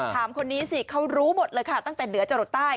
ถามคนนี้สิเขารู้หมดเลยค่ะตั้งแต่เหนือจรดใต้